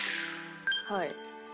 はい。